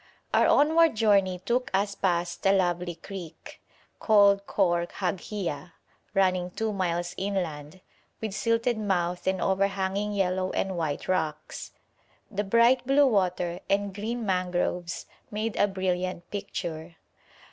Our onward journey took us past a lovely creek, called Khor Haghia, running two miles inland, with silted mouth and overhanging yellow and white rocks. The bright blue water and green mangroves made a brilliant picture.